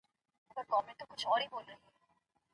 د بریا لمر یوازي با استعداده کسانو ته نه سي ورکول کېدلای.